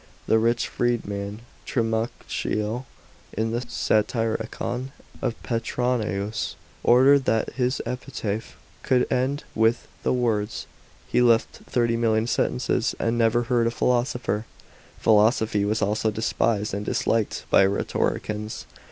The rich freedman Trimalchio, in the Satiricon of Petronius, ordered that his epitaph should end with the w«»rds, " He left thirty million sesterces, and never hearH a philosopher." §§ 15. Philosophy was also despised and disliked by rhetoricians.